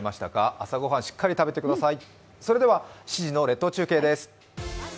朝ごはん、しっかり食べてください